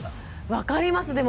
分かりますでも。